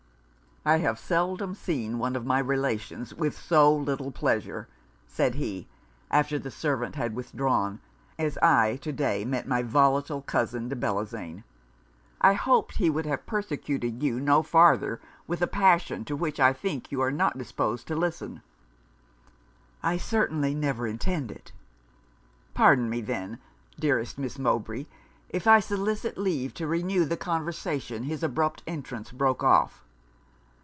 'I have seldom seen one of my relations with so little pleasure,' said he, after the servant had withdrawn, 'as I to day met my volatile cousin de Bellozane. I hoped he would have persecuted you no farther with a passion to which I think you are not disposed to listen.' 'I certainly never intend it.' 'Pardon me then, dearest Miss Mowbray, if I solicit leave to renew the conversation his abrupt entrance broke off.